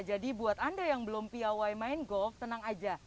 jadi buat anda yang belum py main golf tenang aja